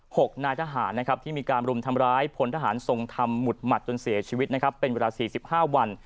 หกนายทหารที่มีการรุมทำร้ายพลทหารทรงธรรมหมุดหมัดจนเสียชีวิตเป็นเวลา๔๕วัน